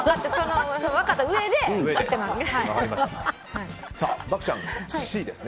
分かったうえで言ってます。